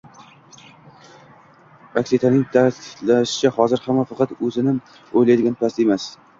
Aktisaning ta’kidlashicha, hozir hamma faqat o‘zini o‘ylaydigan payt emas